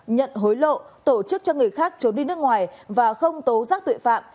nhận hối lộ tổ chức cho người khác trốn đi nước ngoài và không tố giác tội phạm